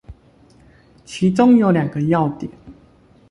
其中有兩個要點